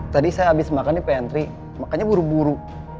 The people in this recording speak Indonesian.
tadi saya habis makan di pantry makannya buru buru